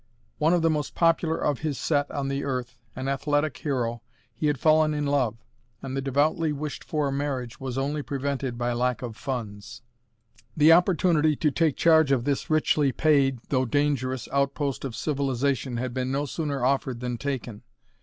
One of the most popular of his set on the Earth, an athletic hero, he had fallen in love, and the devoutly wished for marriage was only prevented by lack of funds. The opportunity to take charge of this richly paid, though dangerous, outpost of civilization had been no sooner offered than taken.